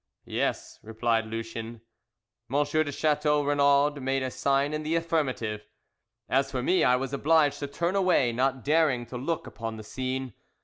"Yes," replied Lucien. M. de Chateau Renaud made a sign in the affirmative. As for me I was obliged to turn away, not daring to look upon the scene.